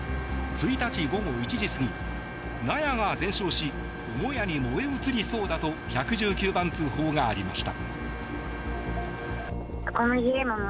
１日午後１時過ぎ納屋が全焼し母屋に燃え移りそうだと１１９番通報がありました。